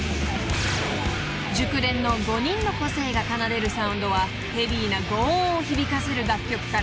［熟練の５人の個性が奏でるサウンドはヘビーなごう音を響かせる楽曲から］